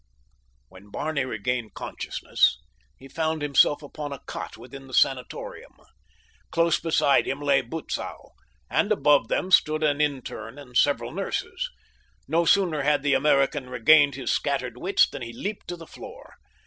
When Barney regained consciousness he found himself upon a cot within the sanatorium. Close beside him lay Butzow, and above them stood an interne and several nurses. No sooner had the American regained his scattered wits than he leaped to the floor.